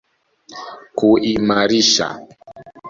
kuimarisha